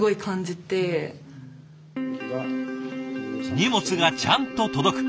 荷物がちゃんと届く。